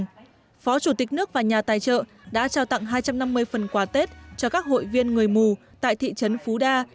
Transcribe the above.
phó chủ tịch nước và nhà tài trợ đã trao tặng hai trăm năm mươi phần quà tết cho các hội viên người mù tại thị trấn phú đa